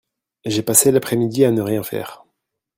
J'ai passé l'après-midi à ne rien faire